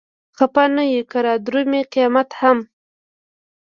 خپه نه يو که رادرومي قيامت هم